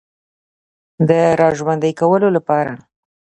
د را ژوندۍ کولو لپاره